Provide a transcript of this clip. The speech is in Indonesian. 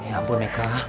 ya ampun meka